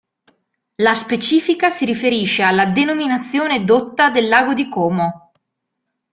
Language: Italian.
La specifica si riferisce alla denominazione dotta del lago di Como.